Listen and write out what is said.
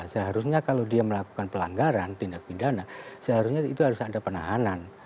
seharusnya kalau dia melakukan pelanggaran tindak pidana seharusnya itu harus ada penahanan